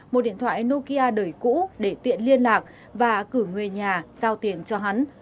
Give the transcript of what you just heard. một điện thoại nokia đời cũ để tiện liên lạc và cử người nhà giao tiền cho hắn